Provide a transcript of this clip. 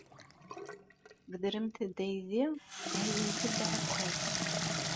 Bedremt-d aydi, heyyimt-d aɛekkaz.